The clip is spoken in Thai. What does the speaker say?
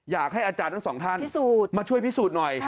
อยากให้อาจารย์ทั้งสองท่านมาช่วยพิสูจน์หน่อย